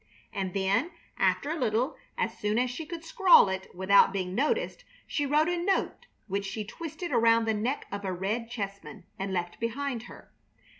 And then after a little, as soon as she could scrawl it without being noticed, she wrote a note which she twisted around the neck of a red chessman, and left behind her.